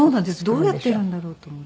どうやっているんだろうと思って。